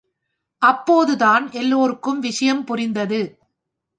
அப்போதுதான் எல்லோருக்கும் விஷயம் புரிந்தது.